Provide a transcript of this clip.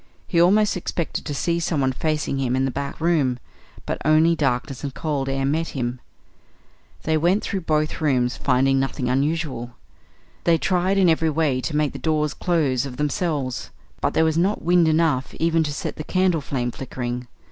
He almost expected to see someone facing him in the back room; but only darkness and cold air met him. They went through both rooms, finding nothing unusual. They tried in every way to make the doors close of themselves, but there was not wind enough even to set the candle flame flickering.